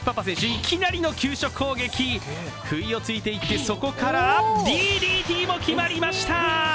いきなりの急所攻撃、不意を突いていって、そこからＤＤＴも決まりました！